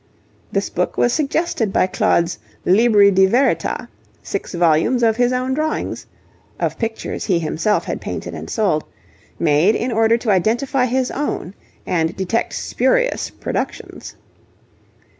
This book was suggested by Claude's Libri di Verita, six volumes of his own drawings (of pictures he himself had painted and sold) made in order to identify his own, and detect spurious, productions.